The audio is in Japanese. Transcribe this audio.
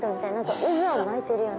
渦を巻いているような。